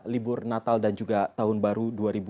libur natal dan juga tahun baru